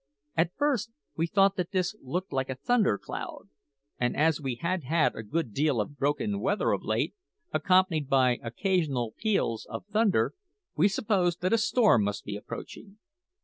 At first we thought that this looked like a thundercloud, and as we had had a good deal of broken weather of late, accompanied by occasional peals of thunder, we supposed that a storm must be approaching.